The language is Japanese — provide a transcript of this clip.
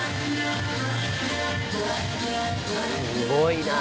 すごいなぁ。